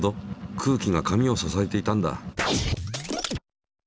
空気が紙を支えていたんだ。